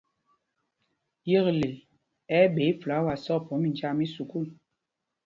Yekle ɛ́ ɛ́ ɓɛ ifláwa sɔkphɔmb minjāā mí sukûl.